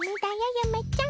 ゆめちゃん。